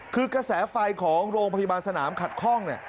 คือกระแสไฟของโรงพยาบาลสนามขัดข้องเนี่ย